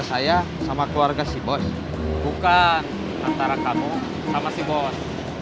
saya sama keluarga sih bos